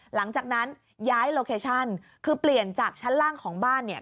หลังจากนั้นย้ายโลเคชั่นคือเปลี่ยนจากชั้นล่างของบ้านเนี่ย